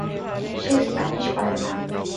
সে Spanish পারে না?